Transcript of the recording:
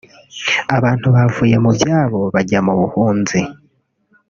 Abantu bavuye mu byabo bajya mu buhunzi